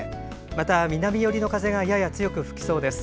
また、南寄りの風がやや強く吹きそうです。